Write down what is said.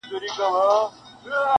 چي د سپي سترګي سوې خلاصي په غپا سو -